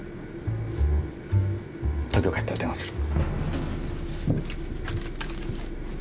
東京へ帰ったら電話する。